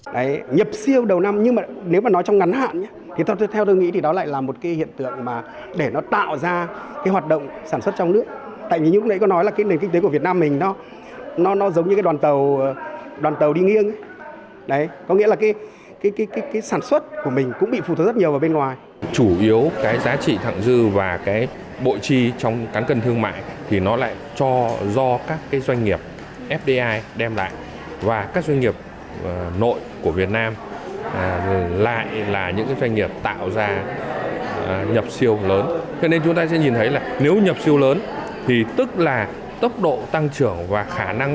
tổng cục hải quan tổng cục hải quan tổng cục hải quan tổng cục hải quan tổng cục hải quan tổng cục hải quan tổng cục hải quan tổng cục hải quan tổng cục hải quan tổng cục hải quan tổng cục hải quan tổng cục hải quan tổng cục hải quan tổng cục hải quan tổng cục hải quan tổng cục hải quan tổng cục hải quan tổng cục hải quan tổng cục hải quan tổng cục hải quan tổng cục hải quan tổng cục hải quan t